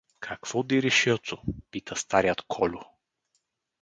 — Какво дириш, Йоцо? — пита старият Кольо.